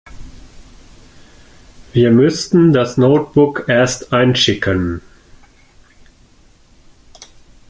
Wir müssten das Notebook erst einschicken.